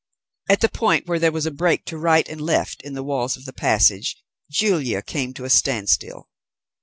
At the point where there was a break to right and left in the walls of the passage, Julia came to a standstill.